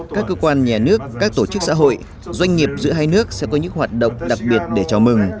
các cơ quan nhà nước các tổ chức xã hội doanh nghiệp giữa hai nước sẽ có những hoạt động đặc biệt để chào mừng